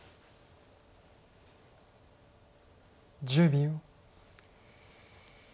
１０秒。